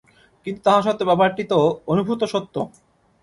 কিন্তু তাহা সত্ত্বেও ব্যাপারটি তো অনুভূত সত্য।